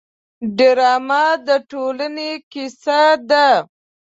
ډرامه د ټولنې کیسه ده